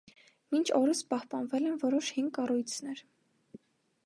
Մինչ օրս պահպանվել են որոշ հին կառույցներ։